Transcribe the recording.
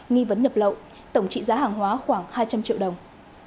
nghi vấn nhập lậu tổng trị giá hàng hóa khoảng hai trăm linh triệu đồng